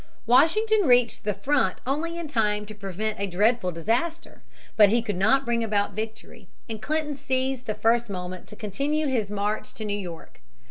Washington reached the front only in time to prevent a dreadful disaster. But he could not bring about victory, and Clinton seized the first moment to continue his march to New York.